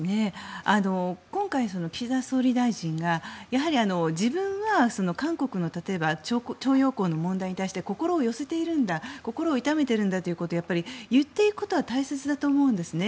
今回、岸田総理大臣がやはり自分は韓国の例えば徴用工の問題に対して心を寄せているんだ心を痛めているんだということを言っていくことは大切だと思うんですね。